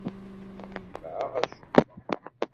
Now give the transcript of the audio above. Ur jemmɛeɣ acemma.